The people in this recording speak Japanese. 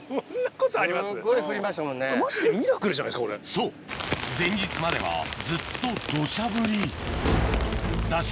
そう前日まではずっと土砂降りＤＡＳＨ